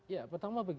ya pertama begini